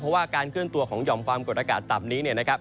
เพราะว่าการเคลื่อนตัวของห่อมความกดอากาศต่ำนี้เนี่ยนะครับ